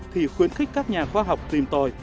thì khuyến khích các nhà khoa học tìm tòi